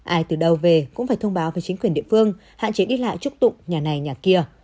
ai từ đầu về cũng phải thông báo với chính quyền địa phương hạn chế đi lại trúc tụng nhà này nhà kia